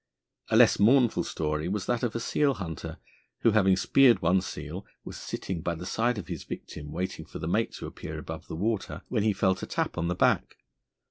A less mournful story was that of a seal hunter who, having speared one seal, was sitting by the side of his victim waiting for the mate to appear above the water, when he felt a tap on the back.